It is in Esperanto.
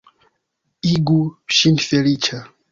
Igu ŝin feliĉa!